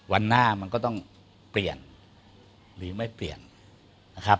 วันหน้ามันก็ต้องเปลี่ยนหรือไม่เปลี่ยนนะครับ